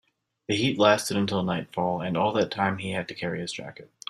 The heat lasted until nightfall, and all that time he had to carry his jacket.